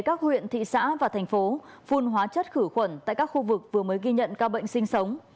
các huyện thị xã và thành phố phun hóa chất khử khuẩn tại các khu vực vừa mới ghi nhận ca bệnh sinh sống